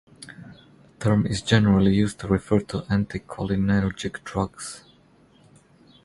The term is generally used to refer to anticholinergic drugs.